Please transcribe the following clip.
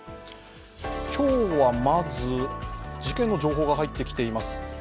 今日はまず、事件の情報が入ってきています。